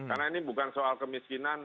karena ini bukan soal kemiskinan